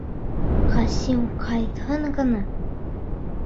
Ҡасим ҡайтһын ғына!